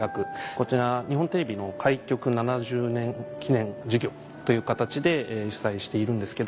こちら日本テレビの開局７０年記念事業という形で主催しているんですけども。